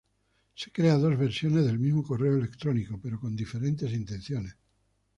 Se crea dos versiones del mismo correo electrónico pero con diferentes intenciones.